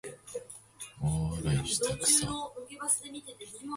大笑いしたくさ